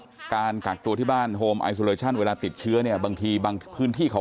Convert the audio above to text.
ที่เราทราบกันกากตัวที่บ้านโอเมไอสโซเลชั่นเวลาติดเชื้อมันบางทีบางพื้นที่เขา